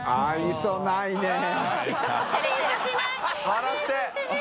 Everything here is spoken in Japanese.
笑って！